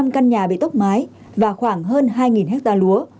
sáu mươi năm căn nhà bị tốc mái và khoảng hơn hai hecta lúa